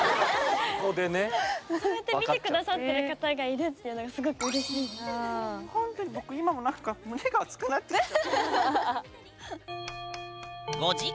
そうやって見て下さってる方がいるっていうのがすごくほんとに僕今も何か胸が熱くなってきた。